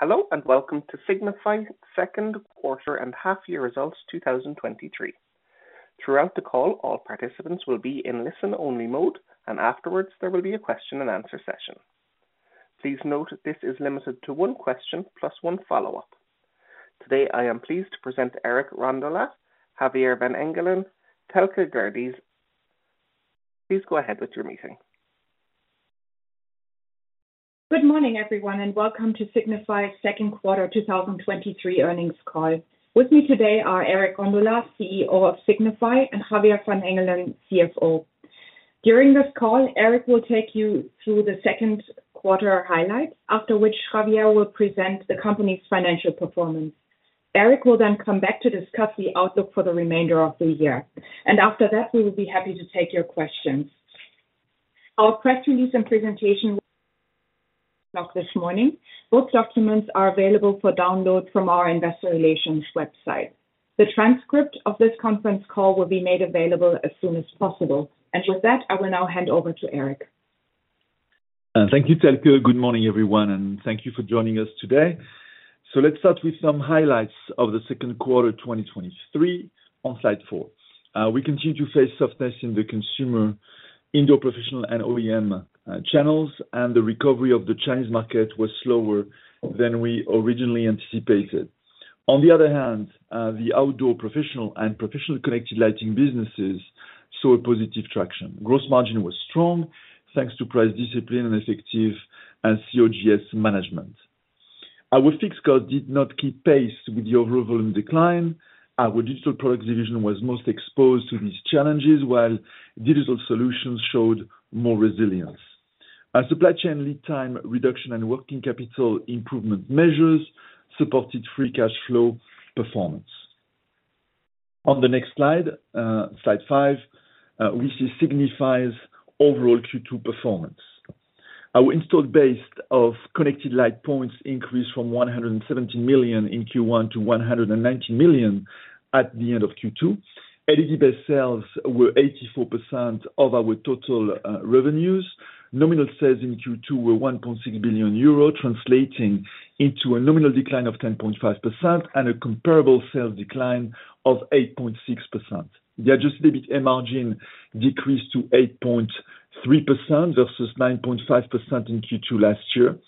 Hello, and welcome to Signify second quarter and half year results, 2023. Throughout the call, all participants will be in listen-only mode, and afterwards there will be a question-and-answer session. Please note, this is limited to one question + one follow-up. Today, I am pleased to present Eric Rondolat, Javier van Engelen, and Thelke Gerdes. Please go ahead with your meeting. Good morning, everyone, and welcome to Signify's second quarter 2023 earnings call. With me today are Eric Rondolat, CEO of Signify, and Javier van Engelen, CFO. During this call, Eric will take you through the second quarter highlights, after which Javier will present the company's financial performance. Eric will come back to discuss the outlook for the remainder of the year. After that, we will be happy to take your questions. Our press release and presentation this morning. Both documents are available for download from our investor relations website. The transcript of this conference call will be made available as soon as possible. With that, I will now hand over to Eric. Thank you, Thelke. Good morning, everyone, thank you for joining us today. Let's start with some highlights of the second quarter, 2023 on slide four. We continue to face softness in the consumer, indoor professional and OEM channels, the recovery of the Chinese market was slower than we originally anticipated. On the other hand, the outdoor professional and professional connected lighting businesses saw a positive traction. Gross margin was strong, thanks to price discipline and effective and COGS management. Our fixed cost did not keep pace with the overall volume decline. Our Digital Products division was most exposed to these challenges, while Digital Solutions showed more resilience. Our supply chain lead time reduction and working capital improvement measures supported free cash flow performance. On the next slide, slide five, we see Signify's overall Q2 performance. Our installed base of connected light points increased from 117 million in Q1 to 119 million at the end of Q2. LED-based sales were 84% of our total revenues. Nominal sales in Q2 were 1.6 billion euro, translating into a nominal decline of 10.5% and a comparable sales decline of 8.6%. The adjusted EBITA margin decreased to 8.3% versus 9.5% in Q2 last year.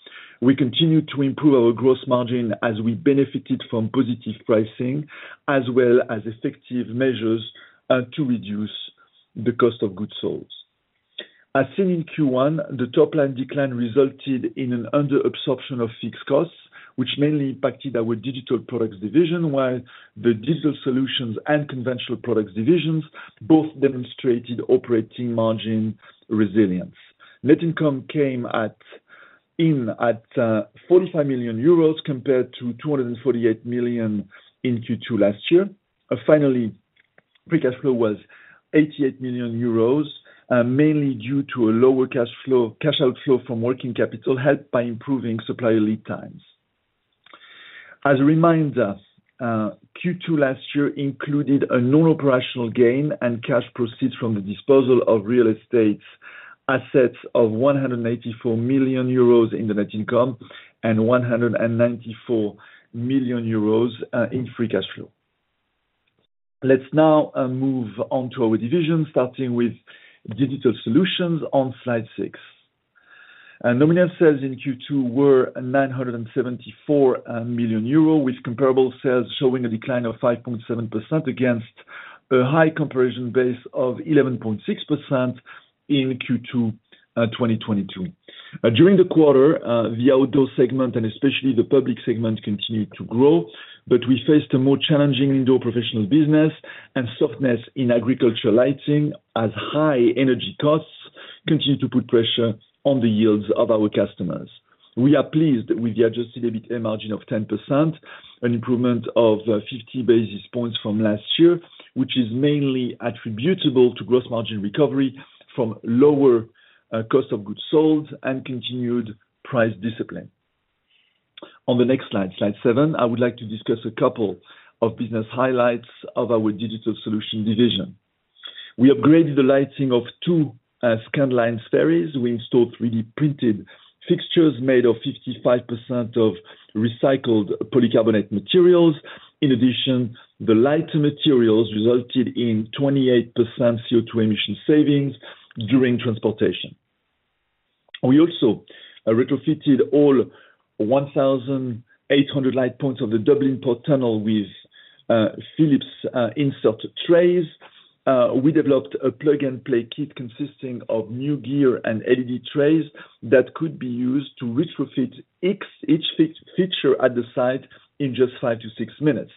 We continued to improve our gross margin as we benefited from positive pricing, as well as effective measures to reduce the cost of goods sold. As seen in Q1, the top-line decline resulted in an under absorption of fixed costs, which mainly impacted our Digital Products division, while the Digital Solutions and Conventional Products divisions both demonstrated operating margin resilience. Net income came at 45 million euros compared to 248 million in Q2 last year. Finally, free cash flow was 88 million euros, mainly due to a lower cash flow, cash outflow from working capital, helped by improving supplier lead times. As a reminder, Q2 last year included a non-operational gain and cash proceeds from the disposal of real estate assets of 184 million euros in the net income and 194 million euros in free cash flow. Let's now move on to our division, starting with Digital Solutions on slide six. Nominal sales in Q2 were 974 million euro, with comparable sales showing a decline of 5.7% against a high comparison base of 11.6% in Q2 2022. During the quarter, the outdoor segment and especially the public segment, continued to grow, but we faced a more challenging indoor professional business and softness in agriculture lighting as high energy costs continued to put pressure on the yields of our customers. We are pleased with the adjusted EBIT margin of 10%, an improvement of 50 basis points from last year, which is mainly attributable to gross margin recovery from lower cost of goods sold and continued price discipline. On the next slide, slide seven, I would like to discuss a couple of business highlights of our Digital Solutions division. We upgraded the lighting of two Scandlines ferries. We installed 3D-printed fixtures made of 55% of recycled polycarbonate materials. In addition, the lighter materials resulted in 28% CO2 emission savings during transportation. We also retrofitted all 1,800 light points of the Dublin Port Tunnel with Philips insert trays. We developed a plug-and-play kit consisting of new gear and LED trays that could be used to retrofit each fixture at the site in just five to six minutes.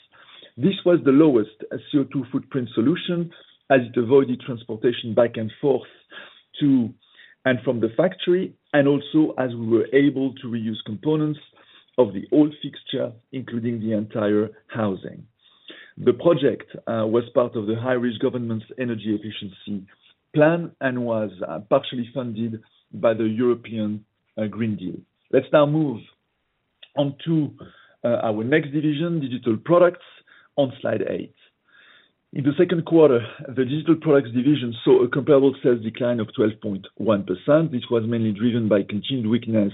This was the lowest CO2 footprint solution as it avoided transportation back and forth to and from the factory, and also as we were able to reuse components of the old fixture, including the entire housing. The project was part of the Irish government's energy efficiency plan and was partially funded by the European Green Deal. Let's now move on to our next division, Digital Products, on slide eight. In the second quarter, the Digital Products division saw a comparable sales decline of 12.1%, which was mainly driven by continued weakness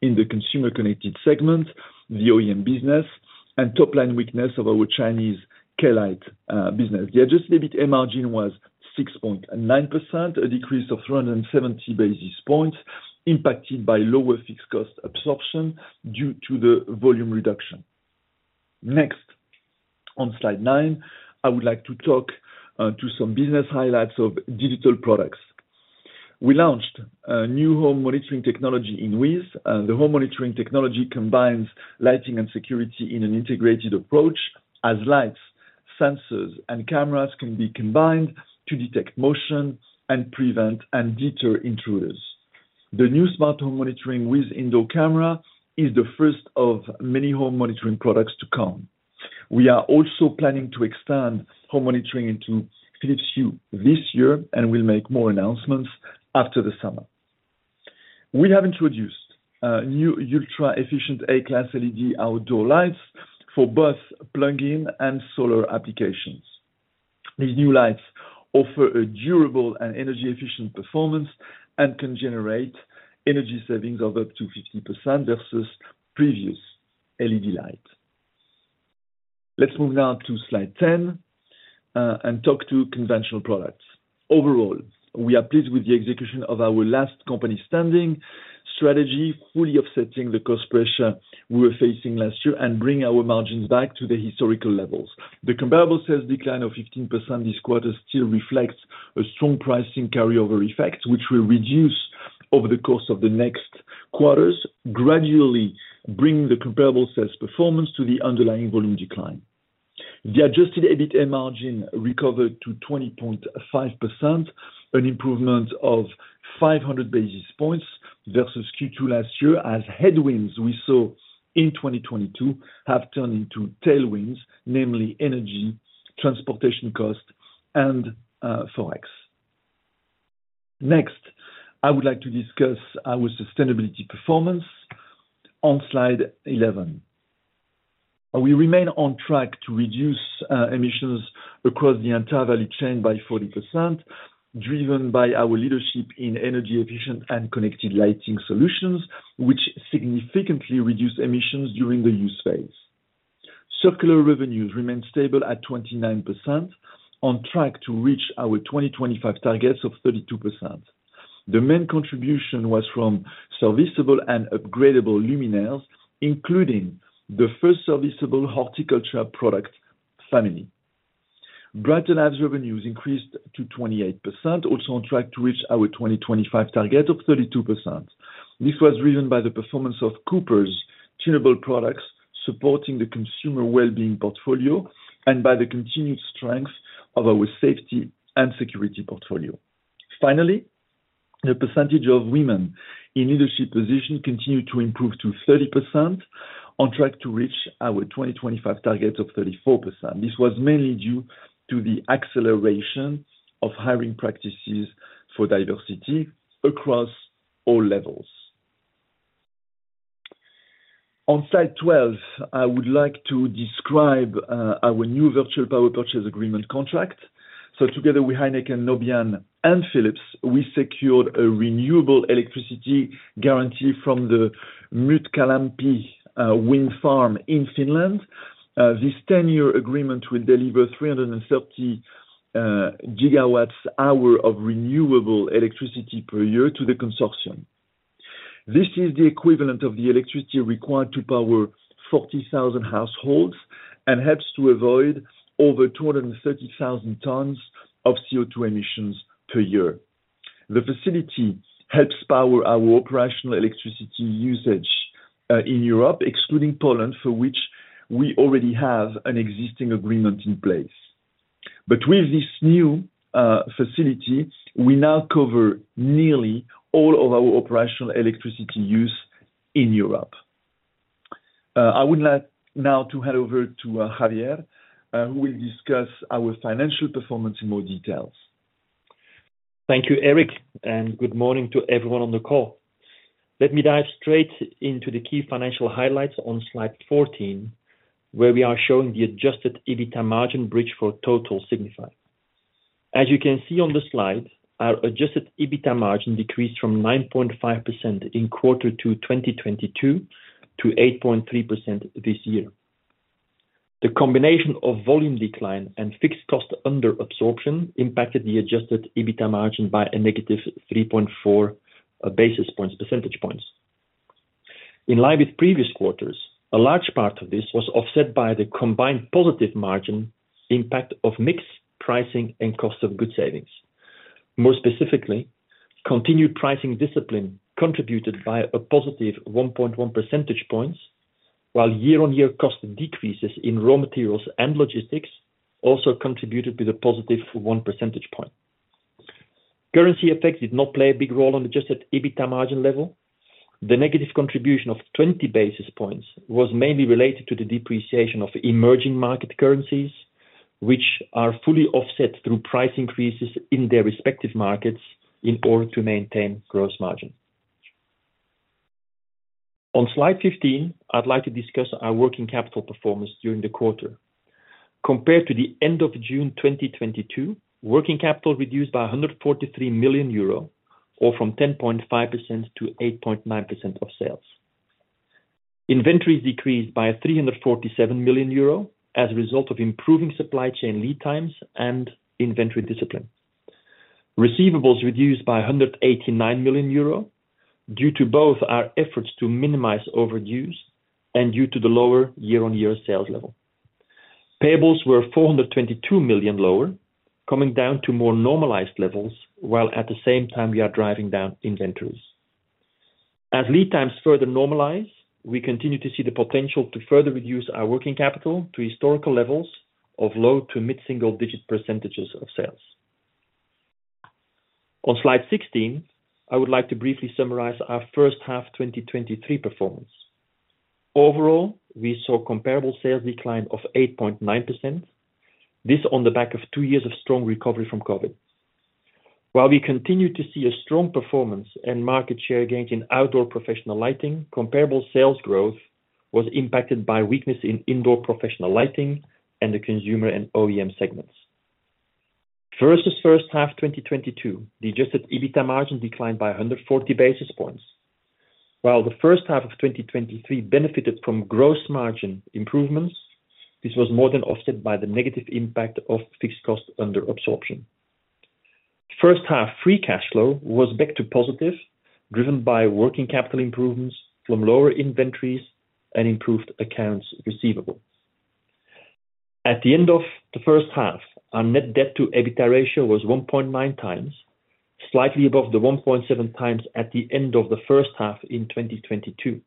in the consumer connected segment, the OEM business, and top-line weakness of our Chinese Klite business. The adjusted EBIT margin was 6.9%, a decrease of 370 basis points, impacted by lower fixed cost absorption due to the volume reduction. Next, on slide nine, I would like to talk to some business highlights of Digital Products. We launched a new Home Monitoring technology in WiZ. The Home Monitoring technology combines lighting and security in an integrated approach as lights, sensors, and cameras can be combined to detect motion and prevent and deter intruders. The new smart Home Monitoring WiZ Indoor Camera is the first of many Home Monitoring products to come. We are also planning to extend Home Monitoring into Philips Hue this year. We'll make more announcements after the summer. We have introduced new ultra-efficient A-class LED outdoor lights for both plug-in and solar applications. These new lights offer a durable and energy-efficient performance and can generate energy savings of up to 50% versus previous LED light. Let's move now to slide 10 and talk to Conventional Products. Overall, we are pleased with the execution of our last company standing strategy, fully offsetting the cost pressure we were facing last year and bring our margins back to the historical levels. The comparable sales decline of 15% this quarter still reflects a strong pricing carryover effect, which will reduce over the course of the next quarters, gradually bringing the comparable sales performance to the underlying volume decline. The adjusted EBITA margin recovered to 20.5%, an improvement of 500 basis points versus Q2 last year, as headwinds we saw in 2022 have turned into tailwinds, namely energy, transportation costs, and Forex. Next, I would like to discuss our sustainability performance on slide 11. We remain on track to reduce emissions across the entire value chain by 40%, driven by our leadership in energy-efficient and connected lighting solutions, which significantly reduce emissions during the use phase. Circular Revenues remain stable at 29%, on track to reach our 2025 targets of 32%. The main contribution was from serviceable and upgradable luminaires, including the first serviceable horticulture product family. Brighter Lives Revenues increased to 28%, also on track to reach our 2025 target of 32%. This was driven by the performance of Cooper's tune-able products, supporting the consumer well-being portfolio and by the continued strength of our safety and security portfolio. Finally, the percentage of women in leadership position continued to improve to 30%, on track to reach our 2025 target of 34%. This was mainly due to the acceleration of hiring practices for diversity across all levels. On slide 12, I would like to describe our new virtual power purchase agreement contract. Together with Heineken, Nobian, and Philips, we secured a renewable electricity guarantee from the Myttylampi wind farm in Finland. This 10-year agreement will deliver 330 GWh of renewable electricity per year to the consortium. This is the equivalent of the electricity required to power 40,000 households and helps to avoid over 230,000 tons of CO2 emissions per year. The facility helps power our operational electricity usage in Europe, excluding Poland, for which we already have an existing agreement in place. With this new facility, we now cover nearly all of our operational electricity use in Europe. I would like now to hand over to Javier, who will discuss our financial performance in more details. Thank you, Eric, and good morning to everyone on the call. Let me dive straight into the key financial highlights on slide 14, where we are showing the adjusted EBITA margin bridge for total Signify. As you can see on the slide, our adjusted EBITA margin decreased from 9.5% in Q2 2022 to 8.3% this year. The combination of volume decline and fixed cost under absorption impacted the adjusted EBITA margin by a negative 3.4 percentage points. In line with previous quarters, a large part of this was offset by the combined positive margin impact of mix, pricing, and cost of goods savings. More specifically, continued pricing discipline contributed by a positive 1.1 percentage points, while year-on-year cost decreases in raw materials and logistics also contributed with a positive 1 percentage point. Currency effects did not play a big role on the adjusted EBITA margin level. The negative contribution of 20 basis points was mainly related to the depreciation of emerging market currencies, which are fully offset through price increases in their respective markets in order to maintain gross margin. On slide 15, I'd like to discuss our working capital performance during the quarter. Compared to the end of June 2022, working capital reduced by 143 million euro, or from 10.5%-8.9% of sales. Inventories decreased by 347 million euro as a result of improving supply chain lead times and inventory discipline. Receivables reduced by 189 million euro, due to both our efforts to minimize overages and due to the lower year-on-year sales level. Payables were $422 million lower, coming down to more normalized levels, while at the same time we are driving down inventories. As lead times further normalize, we continue to see the potential to further reduce our working capital to historical levels of low to mid-single digit % of sales. On slide 16, I would like to briefly summarize our first half 2023 performance. Overall, we saw comparable sales decline of 8.9%. This on the back of two years of strong recovery from COVID. While we continue to see a strong performance and market share gains in outdoor professional lighting, comparable sales growth was impacted by weakness in indoor professional lighting and the consumer and OEM segments. Versus first half 2022, the adjusted EBITA margin declined by 140 basis points. While the first half of 2023 benefited from gross margin improvements, this was more than offset by the negative impact of fixed costs under absorption. First half, free cash flow was back to positive, driven by working capital improvements from lower inventories and improved accounts receivable. At the end of the first half, our net debt to EBITA ratio was 1.9x, slightly above the 1.7x at the end of the first half in 2022.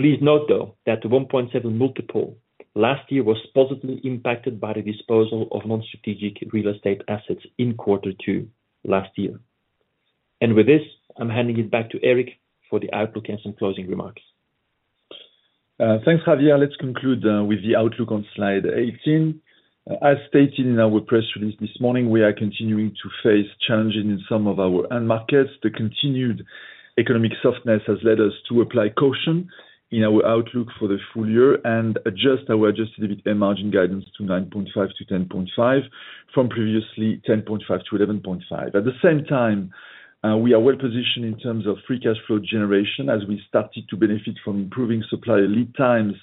Please note, though, that the 1.7 multiple last year was positively impacted by the disposal of non-strategic real estate assets in Q2 last year. With this, I'm handing it back to Eric for the outlook and some closing remarks. Thanks, Javier. Let's conclude with the outlook on slide 18. As stated in our press release this morning, we are continuing to face challenges in some of our end markets. The continued economic softness has led us to apply caution in our outlook for the full-year and adjust our adjusted EBITA margin guidance to 9.5%-10.5%, from previously 10.5%-11.5%. At the same time, we are well positioned in terms of free cash flow generation, as we started to benefit from improving supplier lead times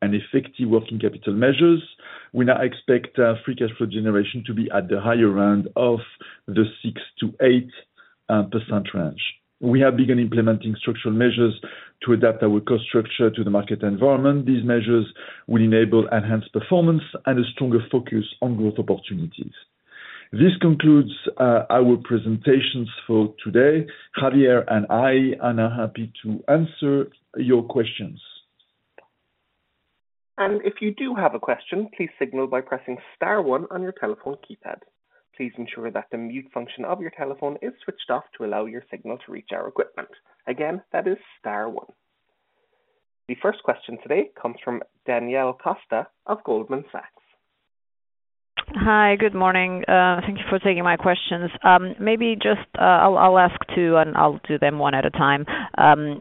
and effective working capital measures. We now expect free cash flow generation to be at the higher end of the 6%-8% range. We have begun implementing structural measures to adapt our cost structure to the market environment. These measures will enable enhanced performance and a stronger focus on growth opportunities. This concludes our presentations for today. Javier and I are now happy to answer your questions. If you do have a question, please signal by pressing star one on your telephone keypad. Please ensure that the mute function of your telephone is switched off to allow your signal to reach our equipment. Again, that is star one. The first question today comes from Daniela Costa of Goldman Sachs. Hi, good morning. Thank you for taking my questions. Maybe just, I'll, I'll ask two, and I'll do them one at a time.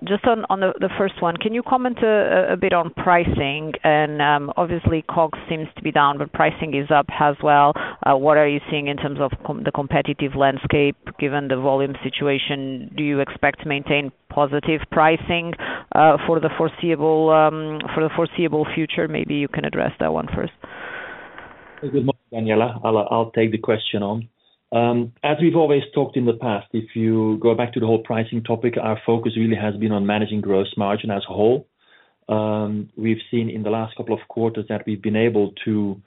Just on, on the, the first one, can you comment a bit on pricing? Obviously, COGS seems to be down, but pricing is up as well. What are you seeing in terms of the competitive landscape, given the volume situation? Do you expect to maintain positive pricing for the foreseeable, for the foreseeable future? Maybe you can address that 1 first. Good morning, Daniela. I'll, I'll take the question on. As we've always talked in the past, if you go back to the whole pricing topic, our focus really has been on managing gross margin as a whole. We've seen in the last couple of quarters that we've been able to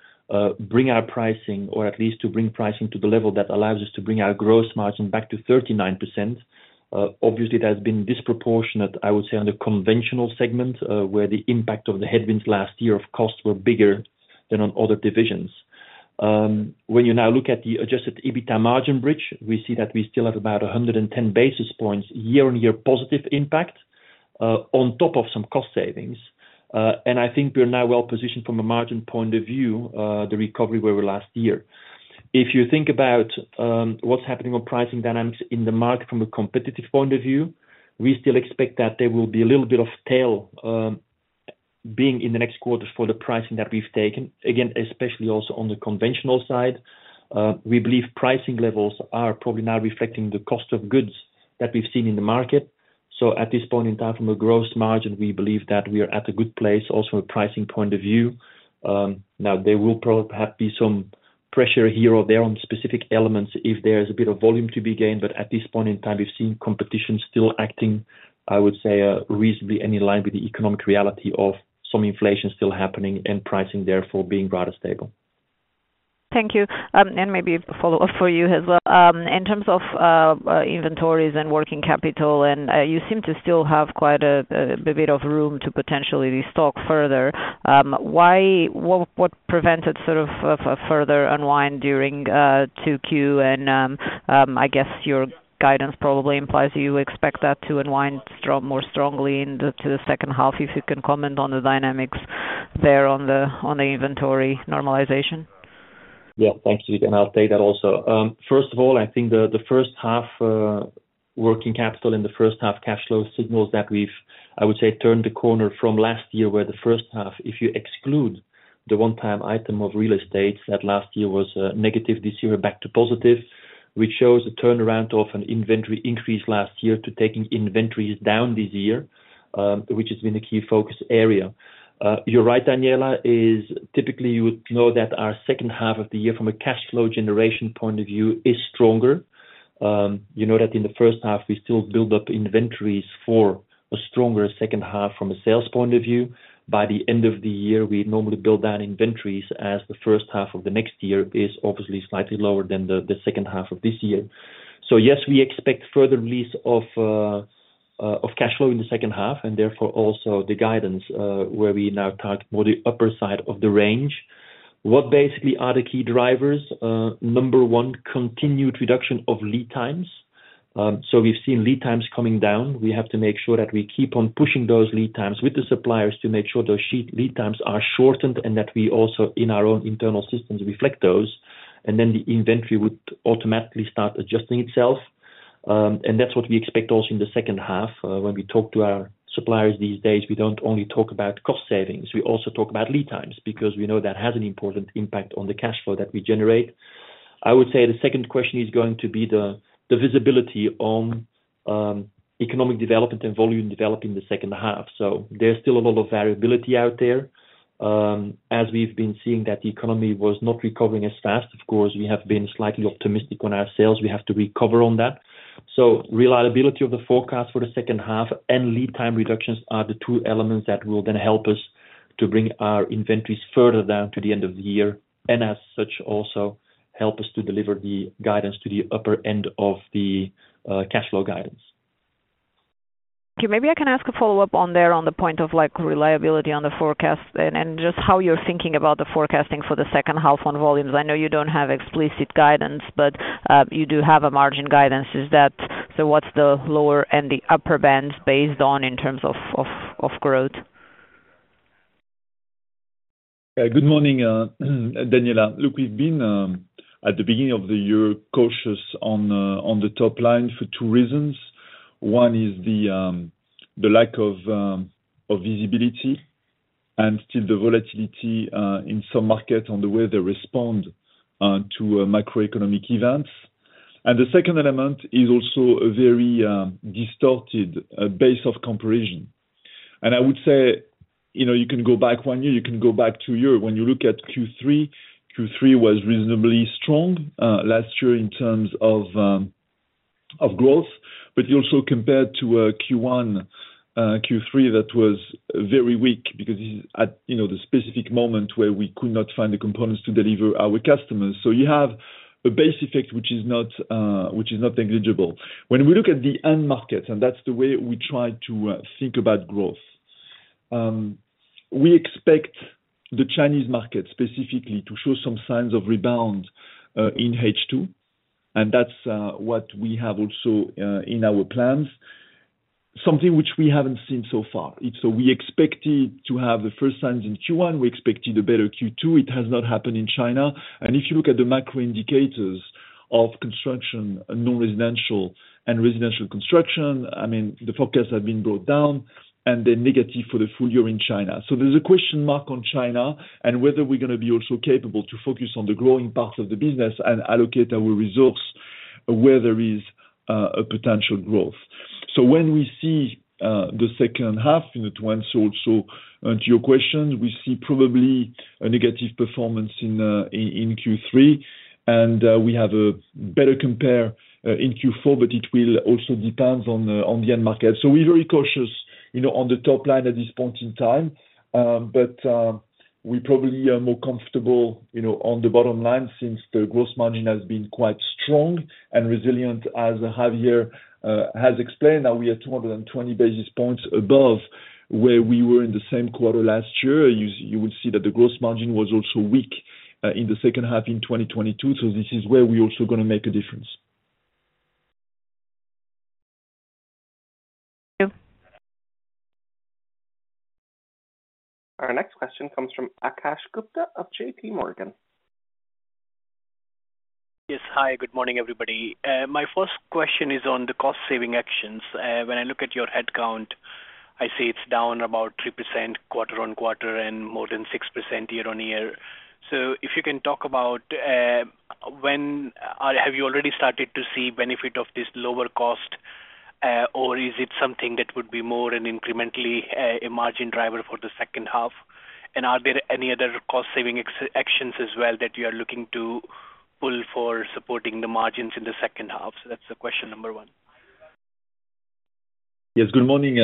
bring our pricing, or at least to bring pricing to the level that allows us to bring our gross margin back to 39%. Obviously, it has been disproportionate, I would say, on the conventional segment, where the impact of the headwinds last year of costs were bigger than on other divisions. When you now look at the adjusted EBITA margin bridge, we see that we still have about 110 basis points year-on-year positive impact on top of some cost savings. And I think we are now well positioned from a margin point of view, the recovery where we were last year. If you think about what's happening on pricing dynamics in the market from a competitive point of view, we still expect that there will be a little bit of tail being in the next quarter for the pricing that we've taken. Again, especially also on the conventional side, we believe pricing levels are probably now reflecting the cost of goods that we've seen in the market. At this point in time, from a gross margin, we believe that we are at a good place, also a pricing point of view. Now, there will perhaps be some pressure here or there on specific elements if there is a bit of volume to be gained, but at this point in time, we've seen competition still acting, I would say, reasonably in line with the economic reality of some inflation still happening and pricing therefore being rather stable. Thank you. Maybe a follow-up for you as well. In terms of inventories and working capital, and you seem to still have quite a, a bit of room to potentially restock further. What, what prevented sort of a, a further unwind during 2Q? I guess your guidance probably implies you expect that to unwind strong- more strongly in the, to the second half. If you can comment on the dynamics there on the, on the inventory normalization? Yeah, thank you. And I'll take that also. First of all, I think the, the first half, working capital in the first half cash flow signals that we've, I would say, turned the corner from last year, where the first half, if you exclude the one-time item of real estate, that last year was negative, this year back to positive, which shows a turnaround of an inventory increase last year to taking inventories down this year, which has been a key focus area. You're right, Daniela, is typically you would know that our second half of the year from a cash flow generation point of view is stronger. You know that in the first half, we still build up inventories for a stronger second half from a sales point of view. By the end of the year, we normally build down inventories as the first half of the next year is obviously slightly lower than the, the second half of this year. Yes, we expect further release of cash flow in the second half, and therefore, also the guidance, where we now talk more the upper side of the range. What basically are the key drivers? Number one, continued reduction of lead times. We've seen lead times coming down. We have to make sure that we keep on pushing those lead times with the suppliers to make sure those sheet lead times are shortened and that we also, in our own internal systems, reflect those, and then the inventory would automatically start adjusting itself. That's what we expect also in the second half. When we talk to our suppliers these days, we don't only talk about cost savings, we also talk about lead times, because we know that has an important impact on the cash flow that we generate. I would say the second question is going to be the, the visibility on economic development and volume development in the second half. There's still a lot of variability out there. As we've been seeing that the economy was not recovering as fast, of course, we have been slightly optimistic on our sales. We have to recover on that. Reliability of the forecast for the second half and lead time reductions are the two elements that will then help us to bring our inventories further down to the end of the year, and as such, also help us to deliver the guidance to the upper end of the cash flow guidance. Okay, maybe I can ask a follow-up on there, on the point of like, reliability on the forecast and, and just how you're thinking about the forecasting for the second half on volumes. I know you don't have explicit guidance, but you do have a margin guidance. Is that, so what's the lower and the upper band based on in terms of, of, of growth? Good morning, Daniela. Look, we've been at the beginning of the year, cautious on the top line for two reasons. One is the lack of visibility and still the volatility in some markets on the way they respond to macroeconomic events. The second element is also a very distorted base of comparison. I would say, you know, you can go back one year, you can go back two year. When you look at Q3, Q3 was reasonably strong last year in terms of growth, but you also compared to Q1, Q3, that was very weak because it's at, you know, the specific moment where we could not find the components to deliver our customers. You have a base effect which is not which is not negligible. When we look at the end market, and that's the way we try to think about growth, we expect the Chinese market, specifically to show some signs of rebound in H2, and that's what we have also in our plans, something which we haven't seen so far. We expected to have the first signs in Q1. We expected a better Q2. It has not happened in China. If you look at the macro indicators of construction, non-residential and residential construction, I mean, the forecasts have been brought down and they're negative for the full-year in China. There's a question mark on China and whether we're gonna be also capable to focus on the growing parts of the business and allocate our resource where there is a potential growth. When we see the second half, and it answers also to your question, we see probably a negative performance in Q3, and we have a better compare in Q4, but it will also depends on the end market. We're very cautious, you know, on the top line at this point in time. But we probably are more comfortable, you know, on the bottom line since the gross margin has been quite strong and resilient. As Javier has explained, now we are 220 basis points above where we were in the same quarter last year. You, you would see that the gross margin was also weak in the second half in 2022, this is where we're also gonna make a difference. Thank you. Our next question comes from Akash Gupta of JPMorgan. Yes. Hi, good morning, everybody. My first question is on the cost saving actions. When I look at your headcount, I see it's down about 3% quarter-on-quarter and more than 6% year-on-year. If you can talk about, have you already started to see benefit of this lower cost, or is it something that would be more an incrementally a margin driver for the second half? Are there any other cost saving actions as well that you are looking to pull for supporting the margins in the second half? That's the question number one. Yes, good morning,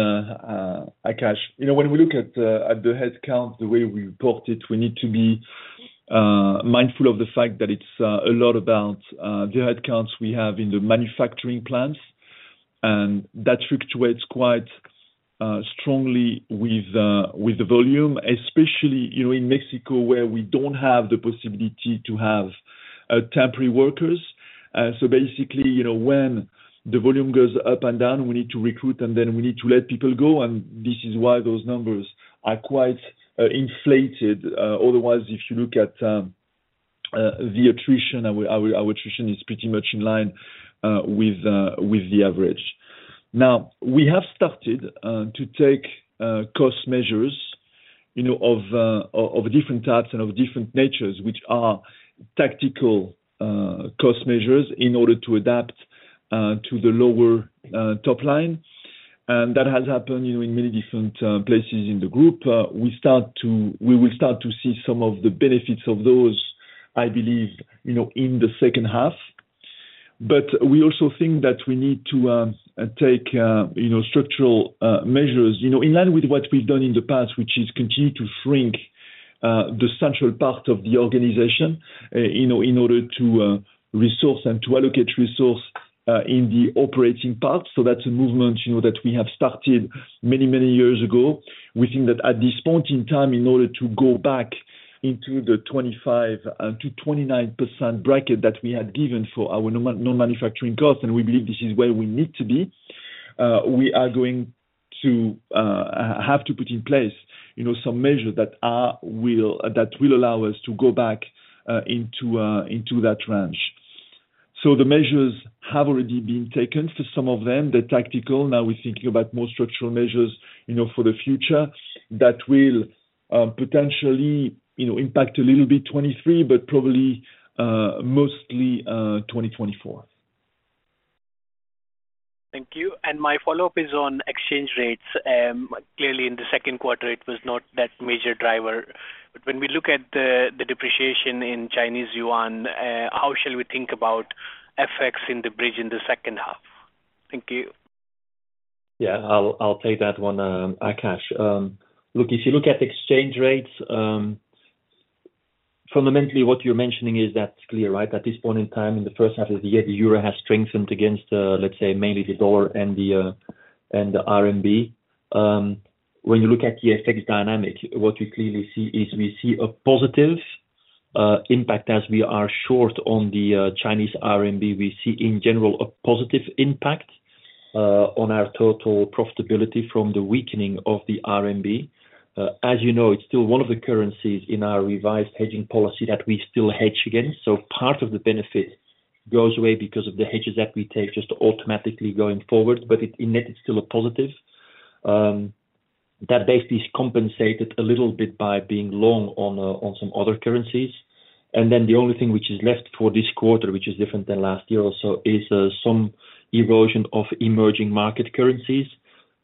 Akash. You know, when we look at, at the headcount, the way we report it, we need to be mindful of the fact that it's a lot about the headcounts we have in the manufacturing plants, and that fluctuates quite strongly with the volume, especially, you know, in Mexico, where we don't have the possibility to have temporary workers. Basically, you know, when the volume goes up and down, we need to recruit, and then we need to let people go, and this is why those numbers are quite inflated. Otherwise, if you look at, the attrition, our, our attrition is pretty much in line with the average. Now, we have started to take cost measures, you know, of different types and of different natures, which are tactical cost measures in order to adapt to the lower top line. That has happened, you know, in many different places in the group. We will start to see some of the benefits of those, I believe, you know, in the second half. We also think that we need to take, you know, structural measures, you know, in line with what we've done in the past, which is continue to shrink the central part of the organization, you know, in order to resource and to allocate resource in the operating part. That's a movement, you know, that we have started many, many years ago. We think that at this point in time, in order to go back into the 25%-29% bracket that we had given for our no manufacturing costs, and we believe this is where we need to be, we are going to have to put in place, you know, some measures that will allow us to go back into that range. The measures have already been taken. Some of them, the tactical, now we're thinking about more structural measures, you know, for the future, that will, potentially, you know, impact a little bit 2023, but probably, mostly, 2024. Thank you. My follow-up is on exchange rates. Clearly, in the second quarter, it was not that major driver. When we look at the depreciation in Chinese yuan, how shall we think about effects in the bridge in the second half? Thank you. Yeah, I'll, I'll take that one, Akash. Look, if you look at exchange rates, fundamentally, what you're mentioning is that's clear, right? At this point in time, in the first half of the year, the euro has strengthened against, let's say, mainly the dollar and the RMB. When you look at the effect dynamic, what we clearly see is we see a positive impact as we are short on the Chinese RMB. We see, in general, a positive impact on our total profitability from the weakening of the RMB. As you know, it's still one of the currencies in our revised hedging policy that we still hedge against. Part of the benefit goes away because of the hedges that we take just automatically going forward, but it in it, it's still a positive. That base is compensated a little bit by being long on some other currencies. Then the only thing which is left for this quarter, which is different than last year or so, is some erosion of emerging market currencies.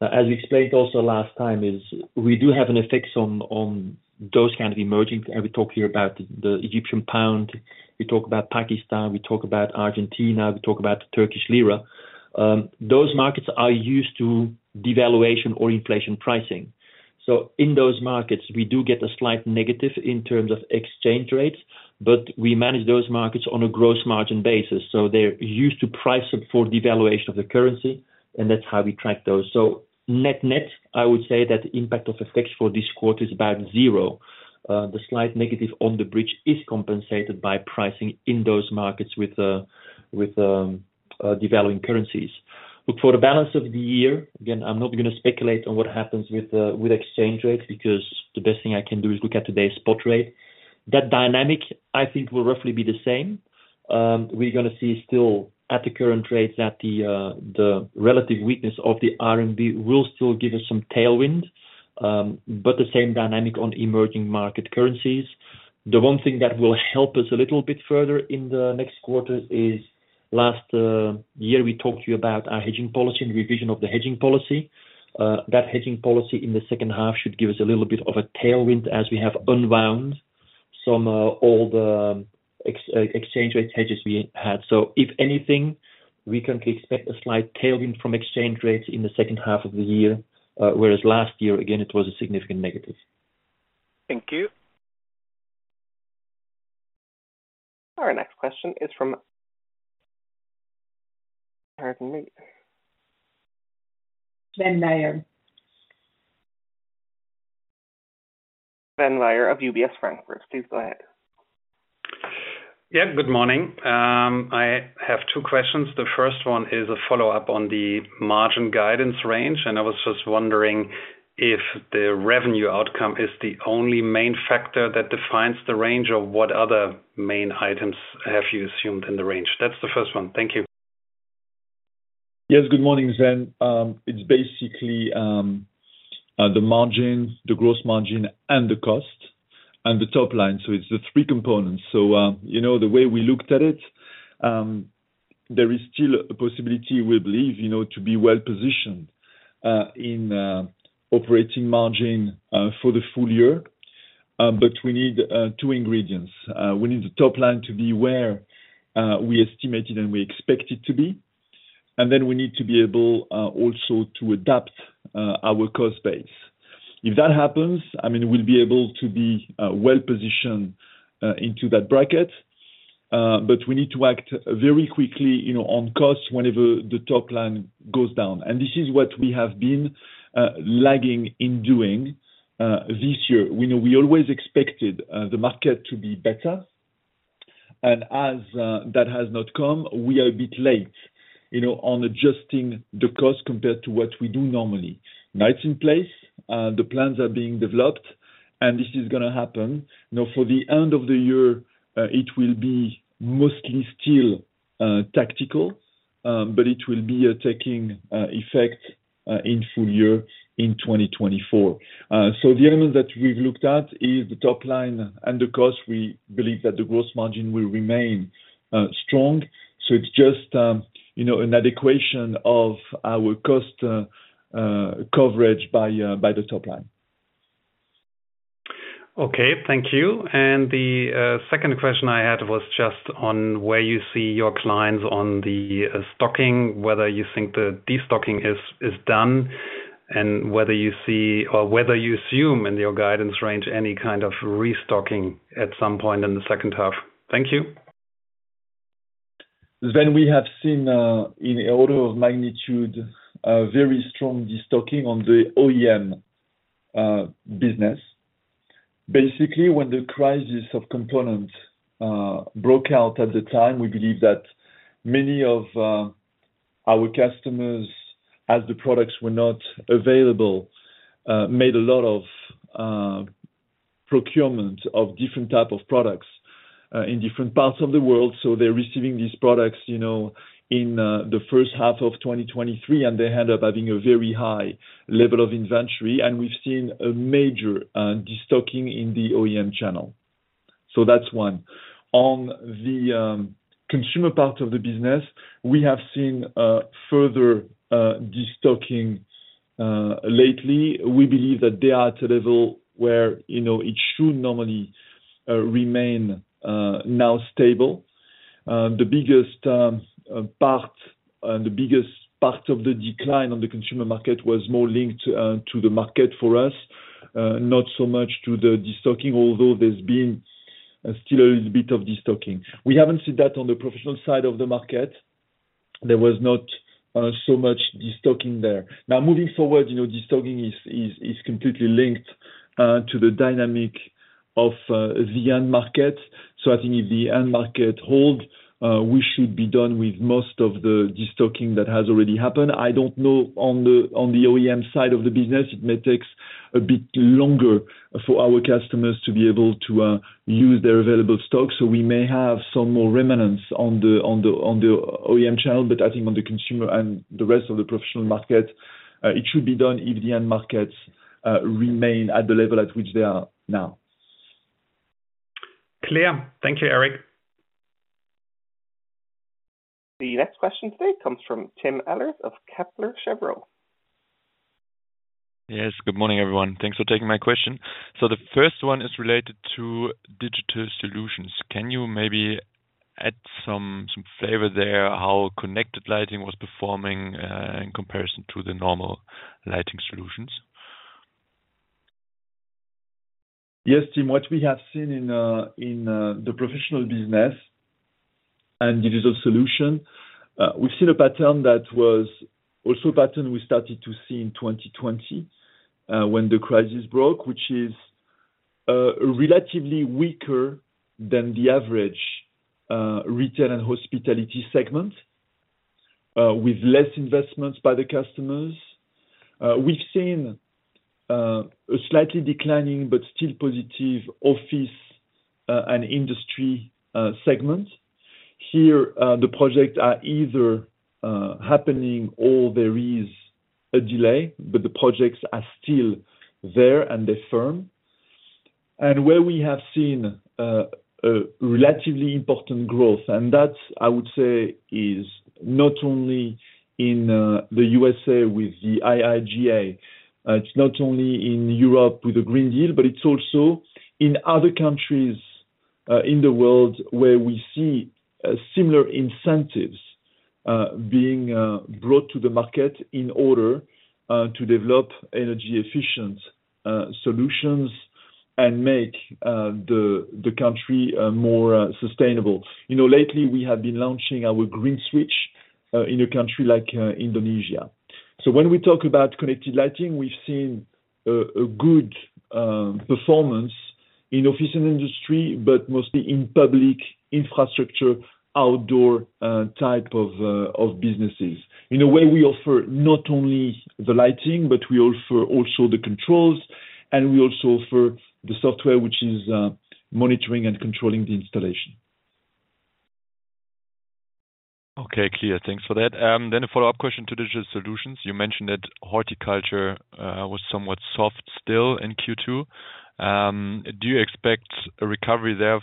As we explained also last time, is we do have an effects on, on those kind of emerging. We talk here about the Egyptian pound, we talk about Pakistan, we talk about Argentina, we talk about the Turkish lira. Those markets are used to devaluation or inflation pricing. In those markets, we do get a slight negative in terms of exchange rates, but we manage those markets on a gross margin basis, so they're used to pricing for devaluation of the currency, and that's how we track those. Net, net, I would say that the impact of effects for this quarter is about zero. The slight negative on the bridge is compensated by pricing in those markets with developing currencies. For the balance of the year, again, I'm not gonna speculate on what happens with exchange rates, because the best thing I can do is look at today's spot rate. That dynamic, I think, will roughly be the same. We're gonna see still, at the current rates, that the relative weakness of the RMB will still give us some tailwind, but the same dynamic on emerging market currencies. The one thing that will help us a little bit further in the next quarter is last year, we talked to you about our hedging policy and revision of the hedging policy. That hedging policy in the second half should give us a little bit of a tailwind as we have unwound some old exchange rate hedges we had. If anything, we can expect a slight tailwind from exchange rates in the second half of the year, whereas last year, again, it was a significant negative. Thank you. Our next question is from... Pardon me. Sven Weier. Sven Weier of UBS Frankfurt. Please go ahead. Yeah, good morning. I have two questions. The first one is a follow-up on the margin guidance range, and I was just wondering if the revenue outcome is the only main factor that defines the range, or what other main items have you assumed in the range? That's the first one. Thank you. Yes, good morning, Sven. It's basically, the margins, the gross margin, and the cost, and the top line. It's the three components. You know, the way we looked at it, there is still a possibility, we believe, you know, to be well-positioned in operating margin for the full-year. We need two ingredients. We need the top line to be where we estimated and we expect it to be, and then we need to be able also to adapt our cost base. If that happens, I mean, we'll be able to be well-positioned into that bracket, but we need to act very quickly, you know, on costs whenever the top line goes down. This is what we have been lagging in doing this year. We know we always expected the market to be better and as that has not come, we are a bit late, you know, on adjusting the cost compared to what we do normally. That's in place, the plans are being developed, and this is gonna happen. Now for the end of the year, it will be mostly still tactical, but it will be taking effect in full-year in 2024. The element that we've looked at is the top line and the cost. We believe that the gross margin will remain strong. It's just, you know, an equation of our cost coverage by the top line. Okay. Thank you. The second question I had was just on where you see your clients on the stocking, whether you think the destocking is, is done, and whether you see or whether you assume in your guidance range, any kind of restocking at some point in the second half? Thank you. We have seen, in order of magnitude, a very strong destocking on the OEM business. Basically, when the crisis of components broke out at the time, we believe that many of our customers, as the products were not available, made a lot of procurement of different type of products, in different parts of the world. They're receiving these products, you know, in the first half of 2023, and they end up having a very high level of inventory, and we've seen a major destocking in the OEM channel. That's one. On the consumer part of the business, we have seen further destocking lately. We believe that they are at a level where, you know, it should normally remain now stable. The biggest part, and the biggest part of the decline on the consumer market was more linked to the market for us, not so much to the destocking, although there's been still a little bit of destocking. We haven't seen that on the professional side of the market. There was not so much destocking there. Moving forward, you know, destocking is, is, is completely linked to the dynamic of the end market. I think if the end market hold, we should be done with most of the destocking that has already happened. I don't know, on the, on the OEM side of the business, it may take a bit longer for our customers to be able to use their available stock. We may have some more remnants on the, on the, on the OEM channel, but I think on the consumer and the rest of the professional market, it should be done if the end markets remain at the level at which they are now. Clear. Thank you, Eric. The next question today comes from Tim Ehlers of Kepler Cheuvreux. Yes, good morning, everyone. Thanks for taking my question. The first one is related to Digital Solutions. Can you maybe add some, some flavor there, how connected lighting was performing in comparison to the normal lighting solutions? Yes, Tim. What we have seen in the professional business and Digital Solutions, we've seen a pattern that was also a pattern we started to see in 2020 when the crisis broke, which is relatively weaker than the average retail and hospitality segment with less investments by the customers. We've seen a slightly declining but still positive office and industry segments. Here, the projects are either happening or there is a delay, but the projects are still there and they're firm. Where we have seen a relatively important growth, and that, I would say, is not only in the USA with the IIJA, it's not only in Europe with the Green Deal, but it's also in other countries in the world where we see similar incentives being brought to the market in order to develop energy efficient solutions and make the, the country more sustainable. You know, lately we have been launching our Green Switch in a country like Indonesia. When we talk about connected lighting, we've seen a good performance in office and industry, but mostly in public infrastructure, outdoor type of businesses. In a way, we offer not only the lighting, but we offer also the controls, and we also offer the software, which is monitoring and controlling the installation. Okay, clear. Thanks for that. A follow-up question to Digital Solutions. You mentioned that horticulture was somewhat soft still in Q2. Do you expect a recovery there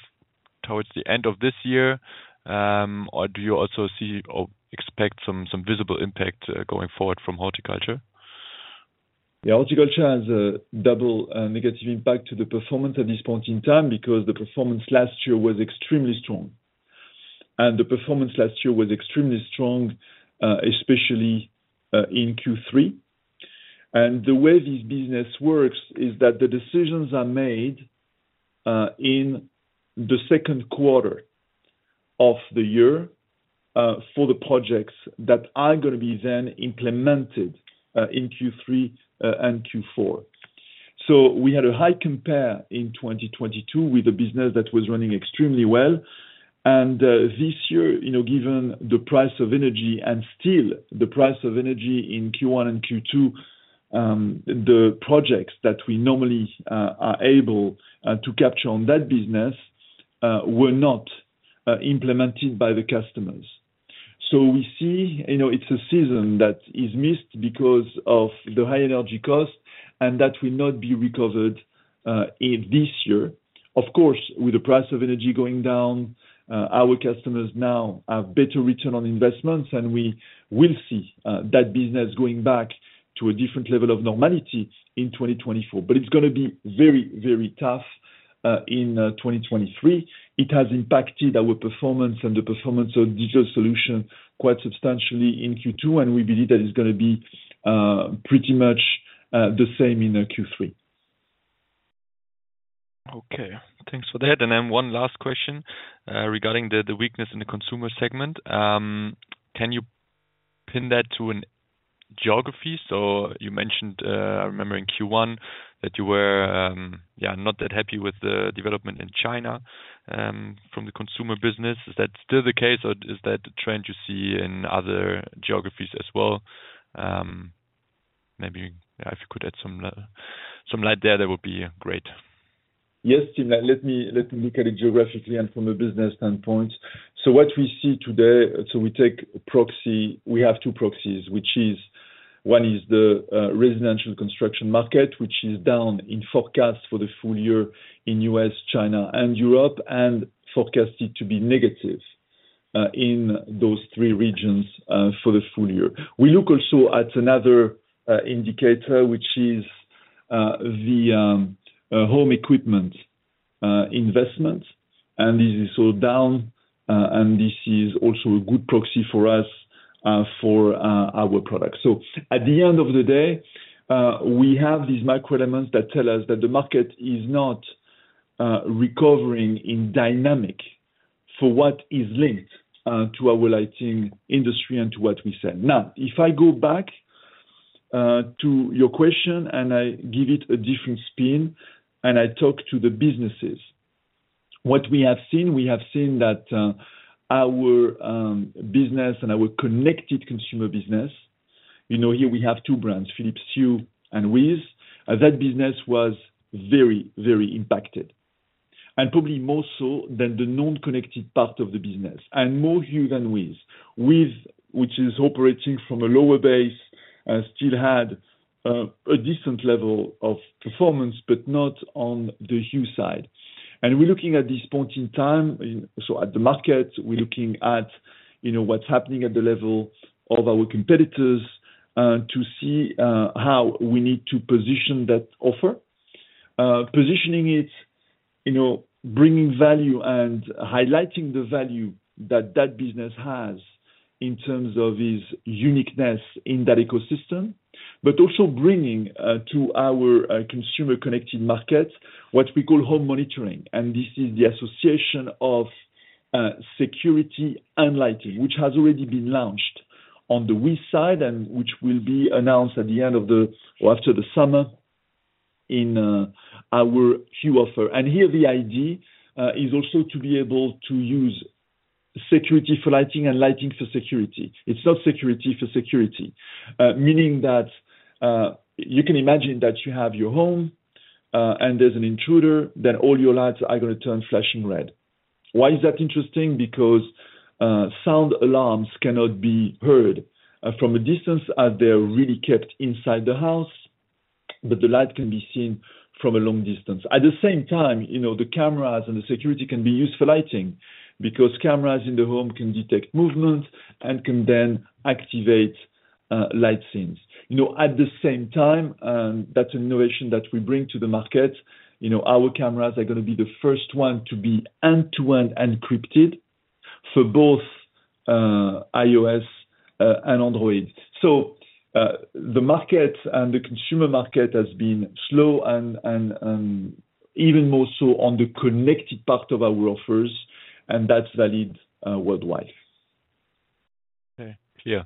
towards the end of this year, or do you also see or expect some, some visible impact going forward from horticulture? Yeah, horticulture has a double negative impact to the performance at this point in time, because the performance last year was extremely strong. The performance last year was extremely strong, especially in Q3. The way this business works is that the decisions are made in the second quarter of the year for the projects that are gonna be then implemented in Q3 and Q4. We had a high compare in 2022 with a business that was running extremely well. This year, you know, given the price of energy and still the price of energy in Q1 and Q2, the projects that we normally are able to capture on that business were not implemented by the customers. We see, you know, it's a season that is missed because of the high energy cost, and that will not be recovered in this year. Of course, with the price of energy going down, our customers now have better return on investments, and we will see that business going back to a different level of normality in 2024. It's gonna be very, very tough in 2023. It has impacted our performance and the performance of Digital Solutions quite substantially in Q2, and we believe that it's gonna be pretty much the same in Q3. Okay. Thanks for that. One last question, regarding the, the weakness in the consumer segment. Can you pin that to an geography? You mentioned, I remember in Q1, that you were, yeah, not that happy with the development in China, from the consumer business. Is that still the case, or is that the trend you see in other geographies as well? Maybe, yeah, if you could add some light there, that would be great. Yes, Tim, let me, let me look at it geographically and from a business standpoint. What we see today, we take proxy. We have two proxies, which is, one is the residential construction market, which is down in forecast for the full-year in US, China, and Europe, and forecasted to be negative in those three regions for the full-year. We look also at another indicator, which is the home equipment investment, and this is so down, and this is also a good proxy for us for our products. At the end of the day, we have these micro elements that tell us that the market is not recovering in dynamic for what is linked to our lighting industry and to what we sell. If I go back to your question and I give it a different spin, and I talk to the businesses, what we have seen, we have seen that our business and our connected consumer business, you know, here we have two brands, Philips Hue and WiZ. That business was very, very impacted, and probably more so than the non-connected part of the business, and more Hue than WiZ. WiZ, which is operating from a lower base, still had a decent level of performance, but not on the Hue side. We're looking at this point in time, so at the market, we're looking at, you know, what's happening at the level of our competitors, to see how we need to position that offer. Positioning it, you know, bringing value and highlighting the value that that business has in terms of its uniqueness in that ecosystem, but also bringing to our consumer connected market, what we call Home Monitoring. This is the association of security and lighting, which has already been launched on the WiZ side, and which will be announced at the end of the, or after the summer in our Hue offer. Here the idea is also to be able to use security for lighting and lighting for security. It's not security for security. Meaning that, you can imagine that you have your home, and there's an intruder, then all your lights are gonna turn flashing red. Why is that interesting? Because sound alarms cannot be heard from a distance, as they are really kept inside the house, but the light can be seen from a long distance. At the same time, you know, the cameras and the security can be used for lighting, because cameras in the home can detect movement and can then activate light scenes. You know, at the same time, that's an innovation that we bring to the market. You know, our cameras are gonna be the first one to be end-to-end encrypted for both iOS and Android. The market and the consumer market has been slow and even more so on the connected part of our offers, and that's valid worldwide. Okay. Clear.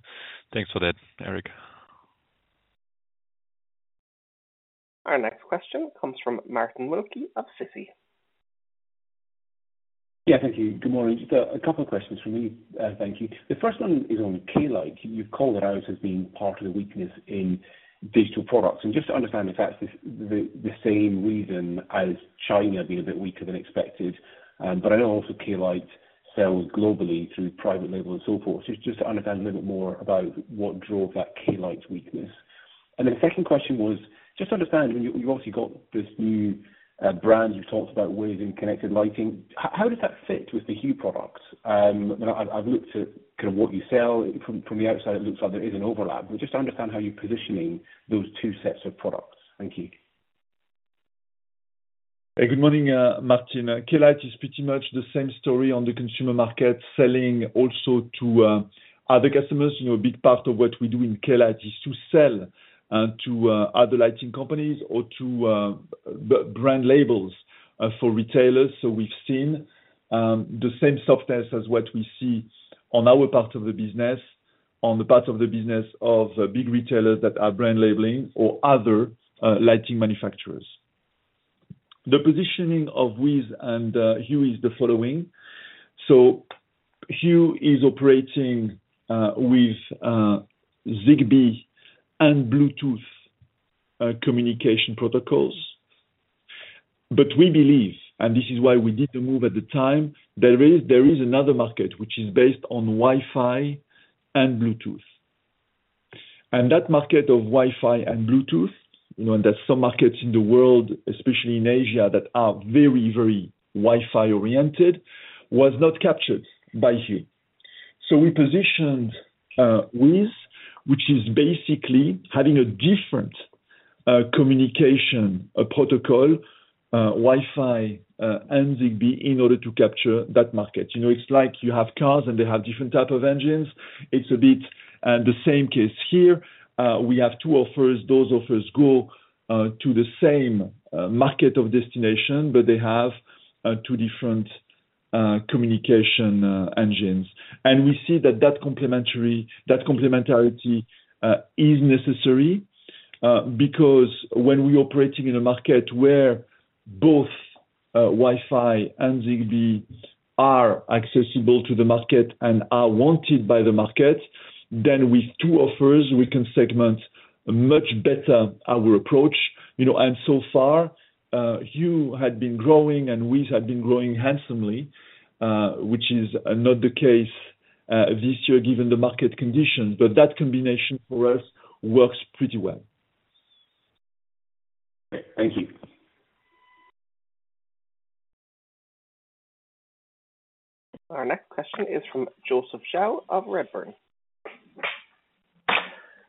Thanks for that, Eric. Our next question comes from Martin Wilkie of Citi. Yeah, thank you. Good morning. Just two questions from me, thank you. The first one is on Klite. You've called it out as being part of the weakness in Digital Products. Just to understand if that's the same reason as China being a bit weaker than expected. I know also Klite sells globally through private label and so forth. Just to understand a little bit more about what drove that Klite weakness. The second question was, just to understand, when you obviously got this new brand, you've talked about WiZ in connected lighting. How does that fit with the Philips Hue products? You know, I've, I've looked at kind of what you sell. From the outside, it looks like there is an overlap, but just to understand how you're positioning those two sets of products. Thank you. Hey, good morning, Martin. Klite is pretty much the same story on the consumer market, selling also to other customers. You know, a big part of what we do in Klite is to sell to other lighting companies or to brand labels for retailers. We've seen the same softness as what we see on our part of the business on the part of the business of big retailers that are brand labeling or other lighting manufacturers. The positioning of WiZ and Hue is the following: Hue is operating with Zigbee and Bluetooth communication protocols. We believe, and this is why we did the move at the time, there is, there is another market which is based on Wi-Fi and Bluetooth. That market of Wi-Fi and Bluetooth, you know, and there's some markets in the world, especially in Asia, that are very, very Wi-Fi oriented, was not captured by Hue. We positioned WiZ, which is basically having a different communication protocol, Wi-Fi, and Zigbee, in order to capture that market. You know, it's like you have cars and they have different type of engines. It's a bit the same case here. We have two offers. Those offers go to the same market of destination, but they have two different communication engines. We see that, that complementarity is necessary because when we operating in a market where both Wi-Fi and Zigbee are accessible to the market and are wanted by the market, then with two offers, we can segment much better our approach. You know, so far, Hue had been growing and WiZ had been growing handsomely, which is not the case this year given the market conditions. That combination for us works pretty well. Thank you. Our next question is from Joseph Zhou of Redburn.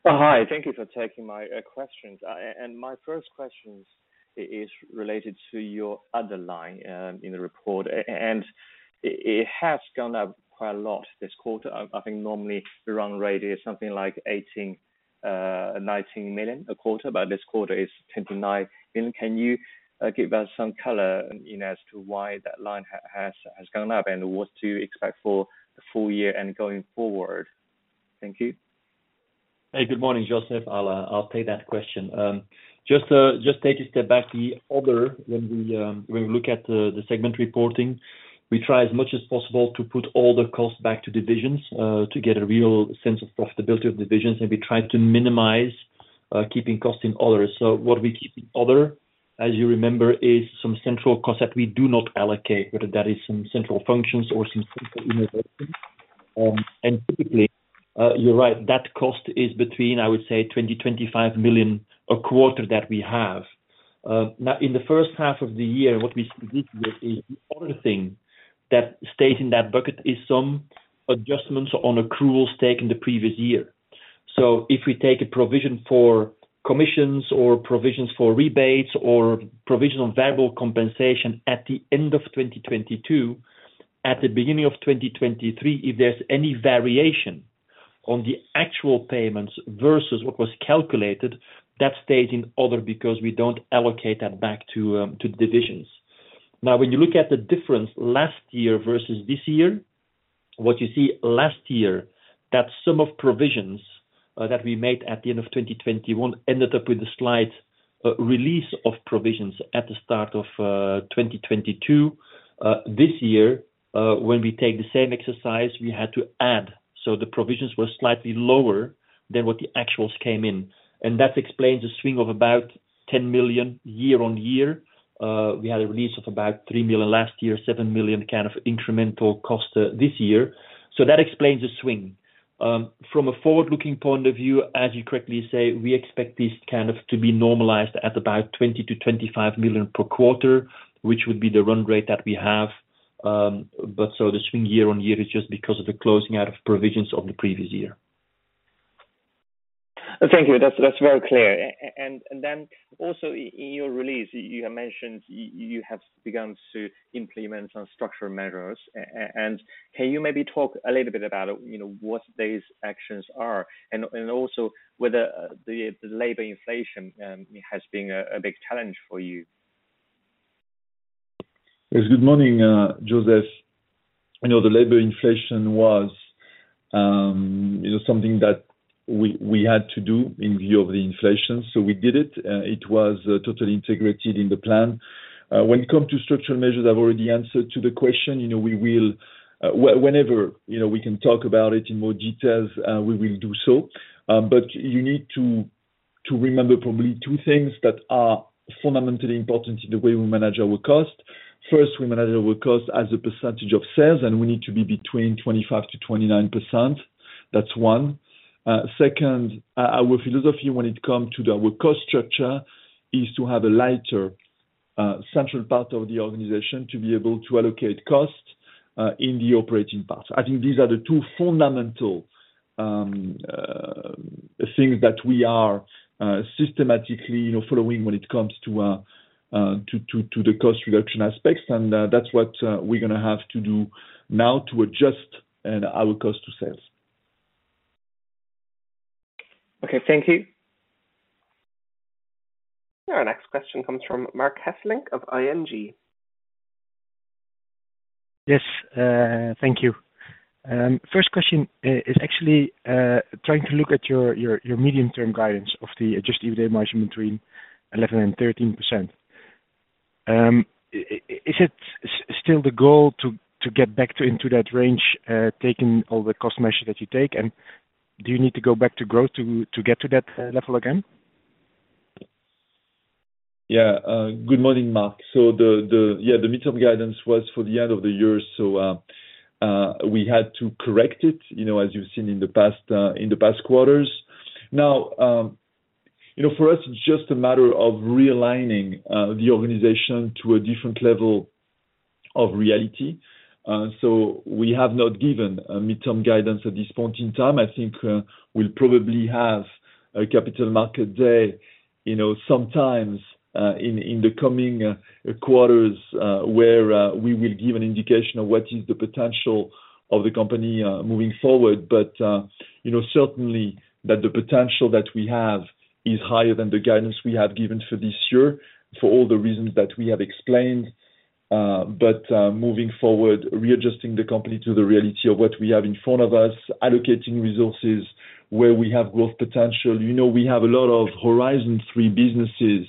Hi. Thank you for taking my questions. My first question is related to your underline in the report, and it has gone up quite a lot this quarter. I think normally the run rate is something like 18 million-19 million a quarter, but this quarter is 10 million-9 million. Can you give us some color in as to why that line has gone up, and what to expect for the full-year and going forward? Thank you. Hey, good morning, Joseph. I'll, I'll take that question. Just to just take a step back, the other when we, when we look at the, the segment reporting, we try as much as possible to put all the costs back to divisions, to get a real sense of profitability of divisions, and we try to minimize, keeping costs in other. What we keep in other, as you remember, is some central costs that we do not allocate, whether that is some central functions or some central innovations. Typically, you're right, that cost is between, I would say, 20 million-25 million a quarter that we have. Now, in the first half of the year, what we did with the other thing that stayed in that bucket is some adjustments on accruals taken the previous year. If we take a provision for commissions or provisions for rebates, or provision on variable compensation at the end of 2022, at the beginning of 2023, if there's any variation on the actual payments versus what was calculated, that stayed in other because we don't allocate that back to divisions. When you look at the difference last year versus this year, what you see last year, that sum of provisions that we made at the end of 2021 ended up with a slight release of provisions at the start of 2022. This year, when we take the same exercise, we had to add. The provisions were slightly lower than what the actuals came in, and that explains the swing of about 10 million year-on-year. We had a release of about 3 million last year, 7 million kind of incremental cost this year. That explains the swing. From a forward-looking point of view, as you correctly say, we expect this kind of to be normalized at about 20 million-25 million per quarter, which would be the run rate that we have. The swing year-on-year is just because of the closing out of provisions of the previous year. Thank you. That's, that's very clear. Then also in your release, you have mentioned you have begun to implement some structural measures. Can you maybe talk a little bit about, you know, what these actions are, and also whether the labor inflation has been a big challenge for you? Yes. Good morning, Joseph. You know, the labor inflation was, you know, something that we, we had to do in view of the inflation, so we did it. It was totally integrated in the plan. When it come to structural measures, I've already answered to the question. You know, we will, whenever, you know, we can talk about it in more details, we will do so. But you need to, to remember probably two things that are fundamentally important in the way we manage our cost. First, we manage our cost as a percentage of sales, and we need to be between 25%-29%. That's one. Second, our philosophy when it come to our cost structure, is to have a lighter, central part of the organization to be able to allocate costs, in the operating part. I think these are the two fundamental things that we are systematically, you know, following when it comes to the cost reduction aspects. That's what we're gonna have to do now to adjust our cost to sales. Okay. Thank you. Our next question comes from Marc Hesselink of ING. Yes, thank you. First question, is actually trying to look at your, your, your medium-term guidance of the adjusted EBITA margin between 11% and 13%. Is it still the goal to get back to into that range, taking all the cost measures that you take? Do you need to go back to growth to get to that level again? Yeah. Good morning, Marc. The, the, yeah, the mid-term guidance was for the end of the year, so we had to correct it, you know, as you've seen in the past, in the past quarters. Now, you know, for us, it's just a matter of realigning the organization to a different level of reality. We have not given a mid-term guidance at this point in time. I think we'll probably have a capital market day, you know, sometimes in, in the coming quarters, where we will give an indication of what is the potential of the company moving forward. You know, certainly that the potential that we have is higher than the guidance we have given for this year, for all the reasons that we have explained. Moving forward, readjusting the company to the reality of what we have in front of us, allocating resources where we have growth potential. You know, we have a lot of Horizon Three businesses,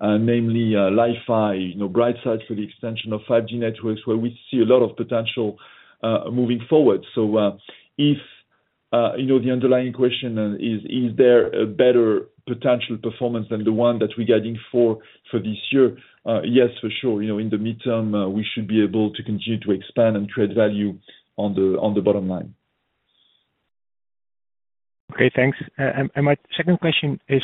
namely, Li-Fi, you know, BrightSites for the extension of 5G networks, where we see a lot of potential, moving forward. If... You know, the underlying question is: Is there a better potential performance than the one that we're guiding for, for this year? Yes, for sure. You know, in the midterm, we should be able to continue to expand and create value on the, on the bottom line. Okay, thanks. My second question is,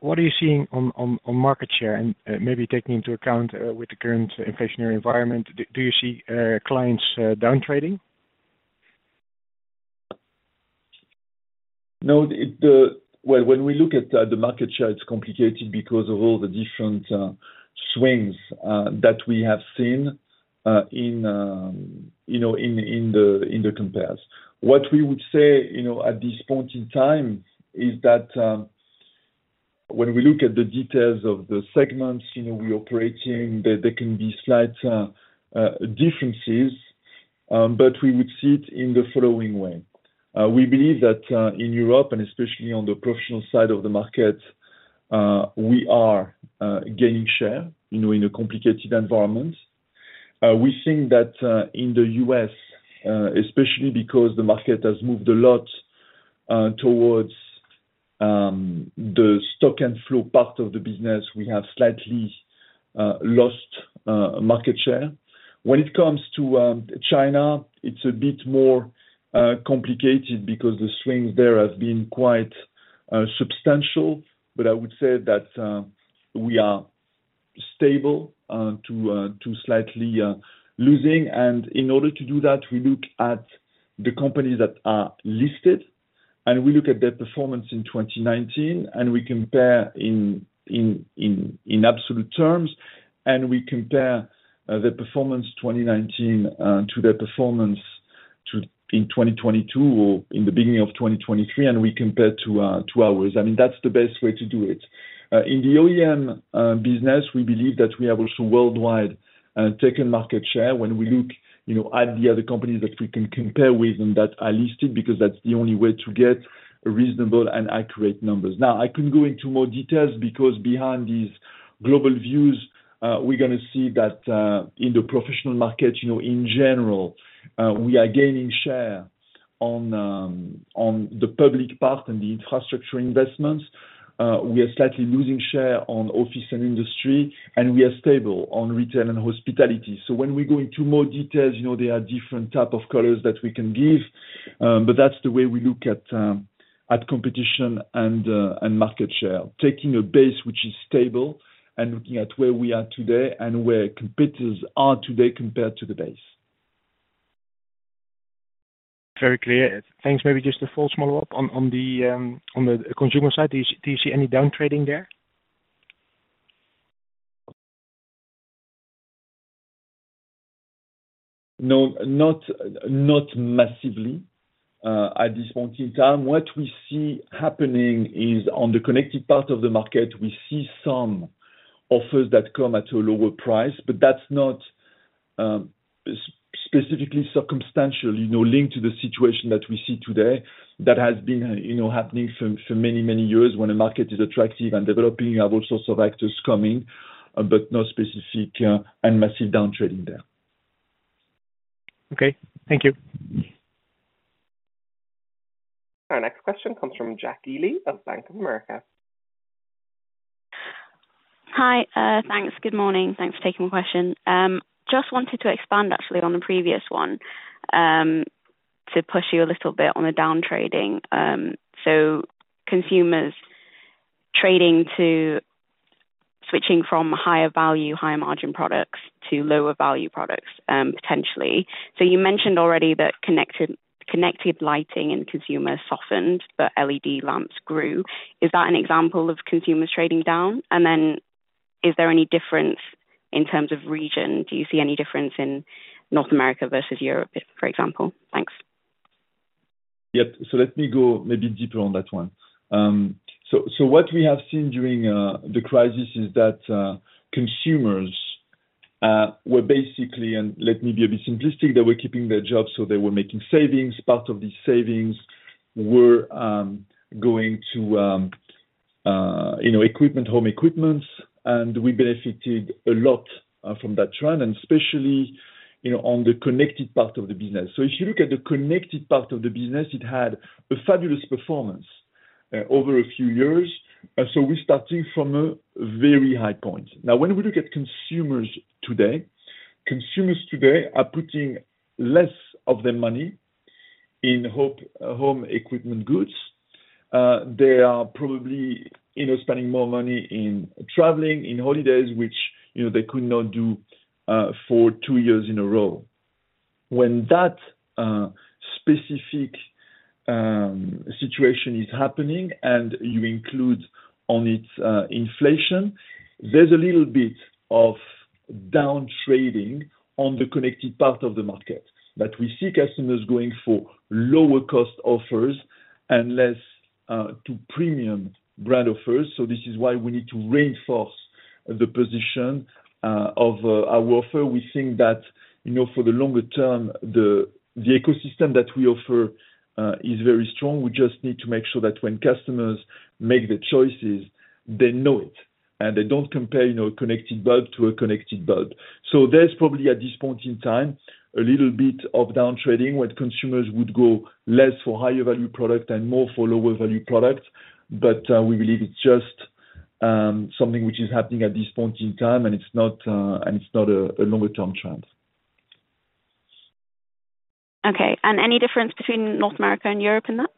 what are you seeing on market share and maybe taking into account with the current inflationary environment, do you see clients downtrading? No, it, Well, when we look at the market share, it's complicated because of all the different swings that we have seen in, you know, in, in the, in the compares. What we would say, you know, at this point in time is that, when we look at the details of the segments, you know, we're operating, there, there can be slight differences, but we would see it in the following way. We believe that in Europe, and especially on the professional side of the market, we are gaining share, you know, in a complicated environment. We think that in the US, especially because the market has moved a lot towards the stock and flow part of the business, we have slightly lost market share. When it comes to China, it's a bit more complicated because the swings there have been quite substantial, but I would say that we are stable to slightly losing. In order to do that, we look at the companies that are listed, and we look at their performance in 2019, and we compare in, in, in, in absolute terms, and we compare the performance 2019 to their performance in 2022 or in the beginning of 2023, and we compare to ours. I mean, that's the best way to do it. In the OEM business, we believe that we have also worldwide taken market share when we look, you know, at the other companies that we can compare with and that are listed, because that's the only way to get reasonable and accurate numbers. Now, I can go into more details, because behind these global views, we're gonna see that in the professional market, you know, in general, we are gaining share on the public part and the infrastructure investments. We are slightly losing share on office and industry, and we are stable on retail and hospitality. When we go into more details, you know, there are different type of colors that we can give, but that's the way we look at competition and market share, taking a base which is stable and looking at where we are today and where competitors are today compared to the base. Very clear. Thanks. Maybe just to follow more up on, on the on the consumer side, do you, do you see any downtrading there? No, not, not massively, at this point in time. What we see happening is on the connected part of the market, we see some offers that come at a lower price, but that's not specifically circumstantial, you know, linked to the situation that we see today. That has been, you know, happening for, for many, many years. When the market is attractive and developing, you have all sorts of actors coming, but no specific and massive downtrading there. Okay, thank you. Our next question comes from Jacqueline Healy of Bank of America. Hi. Thanks. Good morning. Thanks for taking my question. Just wanted to expand actually on the previous one to push you a little bit on the downtrading. Consumers trading to switching from higher value, higher margin products to lower value products, potentially. You mentioned already that connected, connected lighting and consumers softened, but LED lamps grew. Is that an example of consumers trading down? Is there any difference in terms of region? Do you see any difference in North America versus Europe, for example? Thanks. Yep. Let me go maybe deeper on that one. What we have seen during the crisis is that consumers were basically, and let me be a bit simplistic, they were keeping their jobs, so they were making savings. Part of these savings were going to, you know, equipment, home equipment, and we benefited a lot from that trend, and especially, you know, on the connected part of the business. If you look at the connected part of the business, it had a fabulous performance over a few years. We're starting from a very high point. Now, when we look at consumers today, consumers today are putting less of their money in home equipment goods. They are probably, you know, spending more money in traveling, in holidays, which, you know, they could not do for two years in a row. When that specific situation is happening and you include on it inflation, there's a little bit of down trading on the connected part of the market, that we see customers going for lower cost offers and less to premium brand offers. This is why we need to reinforce the position of our offer. We think that, you know, for the longer term, the ecosystem that we offer is very strong. We just need to make sure that when customers make the choices, they know it, and they don't compare, you know, a connected bulb to a connected bulb. There's probably, at this point in time, a little bit of down trading, where consumers would go less for higher value product and more for lower value product. We believe it's just something which is happening at this point in time, and it's not a longer term trend. Okay. Any difference between North America and Europe in that?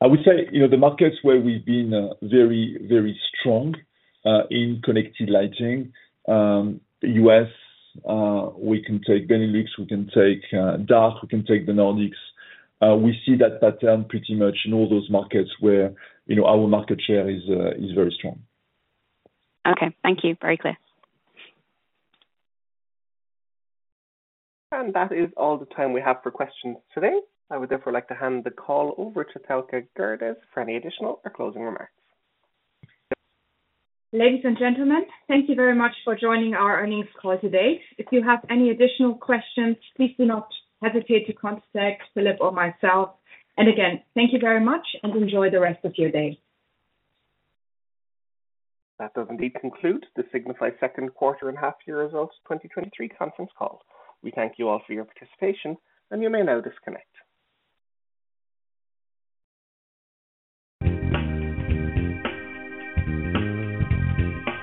I would say, you know, the markets where we've been, very, very strong, in connected lighting, U.S., we can take Benelux, we can take DACH, we can take the Nordics. We see that pattern pretty much in all those markets where, you know, our market share is very strong. Okay. Thank you. Very clear. That is all the time we have for questions today. I would therefore like to hand the call over to Thelke Gerdes for any additional or closing remarks. Ladies and gentlemen, thank you very much for joining our earnings call today. If you have any additional questions, please do not hesitate to contact Philippe or myself. Again, thank you very much and enjoy the rest of your day. That does indeed conclude the Signify second quarter and half year results 2023 conference call. We thank you all for your participation, and you may now disconnect.